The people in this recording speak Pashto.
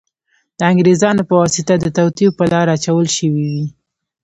د انګریزانو په واسطه د توطیو په لار اچول شوې وې.